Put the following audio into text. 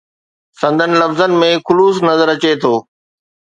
سندن لفظن ۾ خلوص نظر اچي ٿو.